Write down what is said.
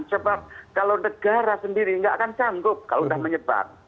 sebab kalau negara sendiri nggak akan canggup kalau sudah menyebar